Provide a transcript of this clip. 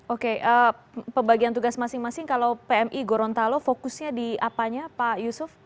oke pembagian tugas masing masing kalau pmi gorontalo fokusnya di apanya pak yusuf